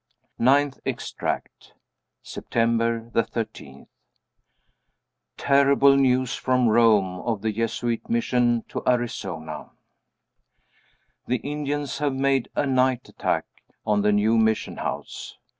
Ninth Extract. September 13. Terrible news from Rome of the Jesuit Mission to Arizona. The Indians have made a night attack on the new mission house.